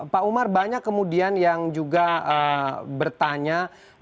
pak umar banyak kemudian yang juga bertanya